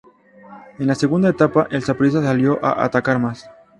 En la segunda etapa, el Saprissa salió a atacar más.